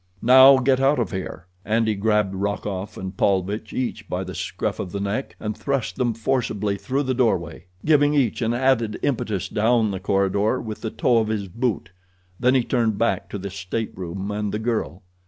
"Now get out of here," and he grabbed Rokoff and Paulvitch each by the scruff of the neck and thrust them forcibly through the doorway, giving each an added impetus down the corridor with the toe of his boot. Then he turned back to the stateroom and the girl.